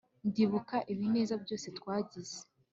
ndibuka ibinezeza byose twagize